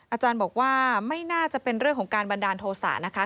อาจารย์บอกว่าไม่น่าจะเป็นเรื่องของการบันดาลโทษะนะคะ